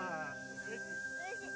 うれしい？